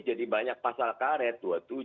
jadi banyak pasal karet